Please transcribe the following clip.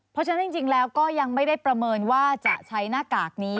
เพราะฉะนั้นจริงแล้วก็ยังไม่ได้ประเมินว่าจะใช้หน้ากากนี้